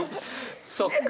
そっか。